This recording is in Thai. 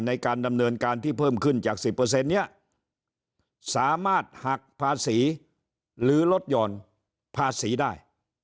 ในการดำเนินการที่เพิ่มขึ้นจาก๑๐นี้สามารถหักภาษีหรือลดหย่อนภาษีได้